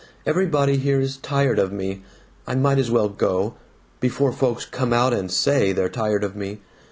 Everybody here is tired of me. I might as well go. Before folks come out and SAY they're tired of me.